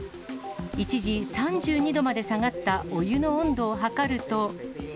一時３２度まで下がったお湯の温度を測ると。